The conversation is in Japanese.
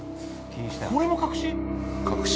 これも隠し？